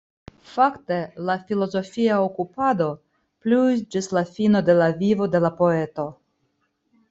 Fakte la filozofia okupado pluis ĝis la fino de la vivo de la poeto.